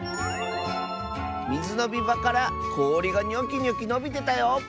「みずのみばからこおりがニョキニョキのびてたよ！」。